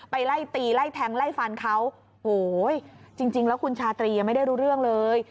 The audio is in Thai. ไล่ตีไล่แทงไล่ฟันเขาโอ้โหจริงแล้วคุณชาตรียังไม่ได้รู้เรื่องเลย